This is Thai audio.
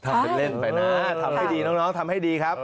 ทำเป็นเล่นไปนะทำให้ดีน้องทำให้ดีครับ